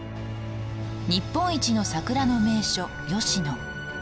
日本一の桜の名所吉野。